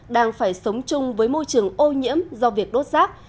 đang phải sống chung với môi trường ô nhiễm do việc đốt rác